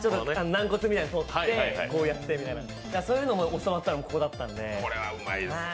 軟骨みたいなのをとってみたいな、そういうのも教わったのがここだったので。